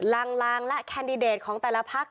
ลางและแคนดิเดตของแต่ละพัก